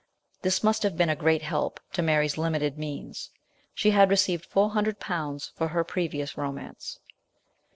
This must have been a great help to Mary's limited means : she had received four hundred pounds for her previous romance.